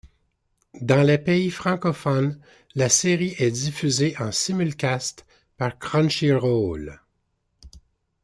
Dans les pays francophones, la série est diffusée en simulcast par Crunchyroll.